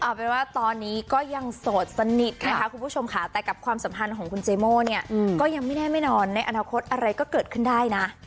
เอาเป็นว่าตอนนี้ก็ยังโสดสนิทนะคะคุณผู้ชมค่ะแต่กับความสัมพันธ์ของคุณเจโม่เนี่ยก็ยังไม่แน่ไม่นอนในอนาคตอะไรก็เกิดขึ้นได้นะ